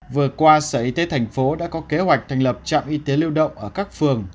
vừa qua sở y tế thành phố đã có kế hoạch thành lập trạm y tế lưu động ở các phường